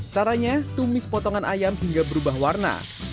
caranya tumis potongan ayam hingga berubah warna